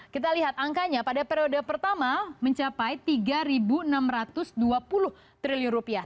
kita lihat angkanya pada periode pertama mencapai tiga enam ratus dua puluh triliun rupiah